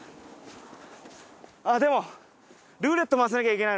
あっでもルーレット回さなきゃいけないのか。